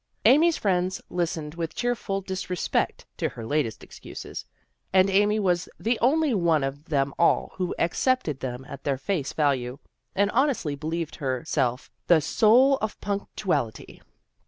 Amy's friends listened with cheer ful disrespect to her latest excuses, and Amy was the only one of them all who accepted them at their face value and honestly believed her self the soul of punctuality.